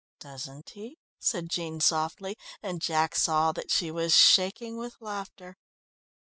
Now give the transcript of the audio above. "Doesn't he?" said Jean softly, and Jack saw that she was shaking with laughter.